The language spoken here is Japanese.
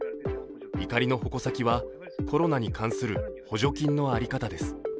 怒りの矛先はコロナに関する補助金の在り方です。